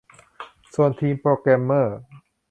ส่วนทีมโปรแกรมเมอร์